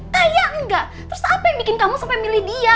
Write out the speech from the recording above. kayak enggak terus apa yang bikin kamu sampai milih dia